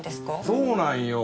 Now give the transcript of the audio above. そうなんよ。